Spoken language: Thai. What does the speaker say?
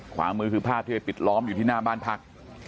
ขวามือคือภาพที่ไปปิดล้อมอยู่ที่หน้าบ้านพัก